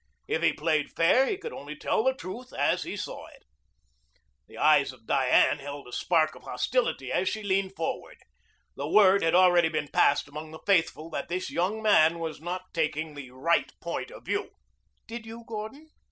If he played fair, he could only tell the truth as he saw it. The eyes of Diane held a spark of hostility as she leaned forward. The word had already been passed among the faithful that this young man was not taking the right point of view. "Did you, Gordon?"